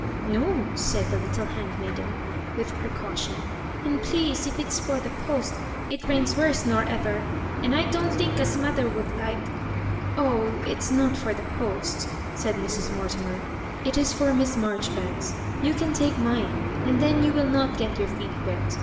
'* No," said the little handmaiden, with pre caution ;" and, please, if it's for the post, it rains worse nor ever ; and I don't think as mother would like ^"*' Oh, it is not for the post," said Mrs. Morti mer •" it is for Miss Marjoribanks. You can take mine, and then you will not get your feet wet.